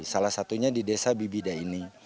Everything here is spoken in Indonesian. salah satunya di desa bibida ini